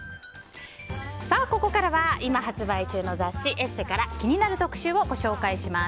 ここからは今発売中の雑誌「ＥＳＳＥ」から気になる特集をご紹介します。